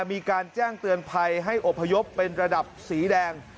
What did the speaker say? มีการแจ้งเตือนภัยให้อบพยพเป็นระดับสีแดง